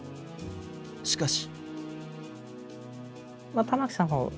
しかし。